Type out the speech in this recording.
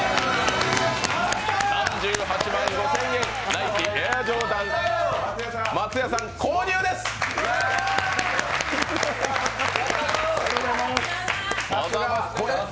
３８万５０００円、ナイキ・エアジョーダン１、松也さん購入です！